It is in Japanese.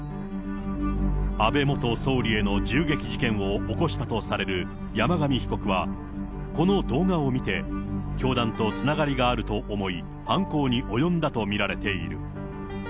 安倍元総理への銃撃事件を起こしたとされる山上被告は、この動画を見て、教団とつながりがあると思い、犯行に及んだと見られている。